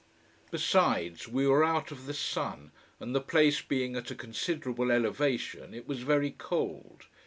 Besides, we were out of the sun, and the place being at a considerable elevation, it was very cold.